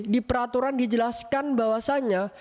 di peraturan dijelaskan bahwasannya